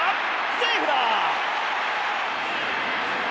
セーフだ！